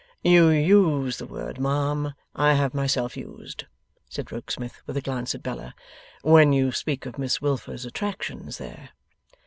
'You use the word, ma'am, I have myself used,' said Rokesmith, with a glance at Bella, 'when you speak of Miss Wilfer's attractions there.